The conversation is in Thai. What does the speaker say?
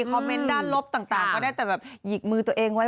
เมนต์ด้านลบต่างก็ได้แต่แบบหยิกมือตัวเองไว้